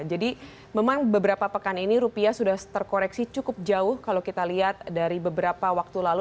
jadi memang beberapa pekan ini rupiah sudah terkoreksi cukup jauh kalau kita lihat dari beberapa waktu lalu